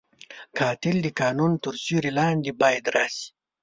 قاتل د قانون تر سیوري لاندې باید راشي